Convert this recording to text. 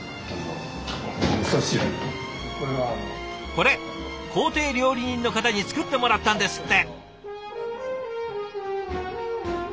これ公邸料理人の方に作ってもらったんですって。